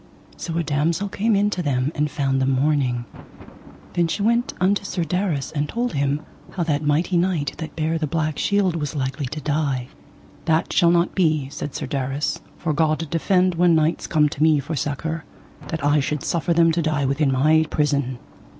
So a damosel came in to them and found them mourning. Then she went unto Sir Darras, and told him how that mighty knight that bare the black shield was likely to die. That shall not be, said Sir Darras, for God defend when knights come to me for succour that I should suffer them to die within my prison.